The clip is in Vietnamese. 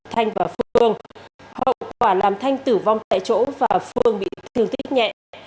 hậu quả làm thanh tử vong tại chỗ và phương bị thương tiếc nhẹ